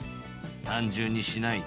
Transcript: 単純にしない。